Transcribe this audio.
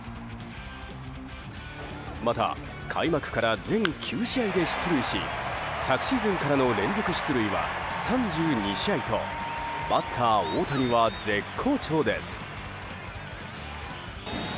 また、開幕から全９試合で出塁し昨シーズンからの連続出塁は３２試合とバッター大谷は絶好調です。